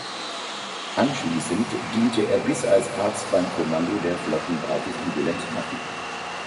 Anschließend diente er bis als Arzt beim Kommando der Flottenbasis in Wilhelmshaven.